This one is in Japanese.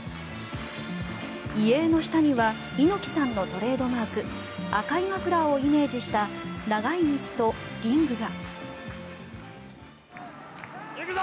遺影の下には猪木さんのトレードマーク赤いマフラーをイメージした長い道と、リングが。